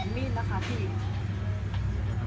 ไม่ใช่